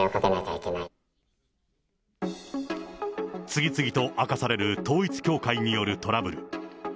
次々と明かされる統一教会によるトラブル。